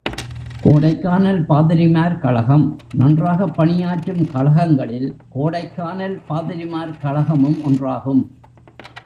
கோடைக்கானல் பாதிரிமார் கழகம் நன்றாகப் பணியாற்றும் கழகங்களில் கோடைக்கானல் பாதிரிமார் கழக மும் ஒன்றாகும்.